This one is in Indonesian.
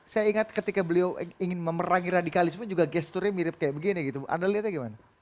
saya ingat ketika beliau ingin memerangi radikalisme juga gesturnya mirip kayak begini gitu anda lihatnya gimana